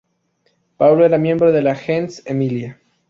Paulo era miembro de la "gens Emilia".